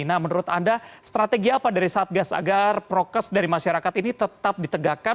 nah menurut anda strategi apa dari satgas agar prokes dari masyarakat ini tetap ditegakkan